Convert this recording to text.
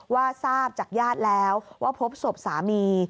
ว่าทราบจากญาติแล้วว่าพบศพสามี